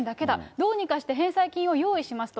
どうにかして返済金を用意しますと。